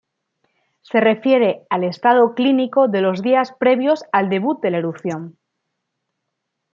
Se refiere al estado clínico de los días previos al debut de la erupción.